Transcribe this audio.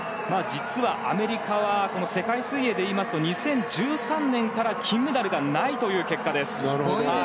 実は、アメリカは世界水泳でいいますと２０１３年から金メダルがないという結果です。